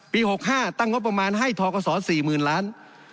๖๕ตั้งงบประมาณให้ทกศ๔๐๐๐ล้าน